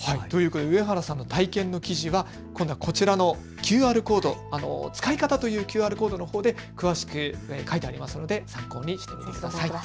上原さんの体験の記事はこちらのＱＲコード、使い方というＱＲコードのほうで詳しく書いてありますので参考にしてみてください。